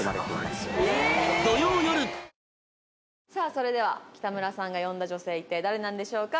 それでは北村さんが呼んだ女性一体誰なんでしょうか。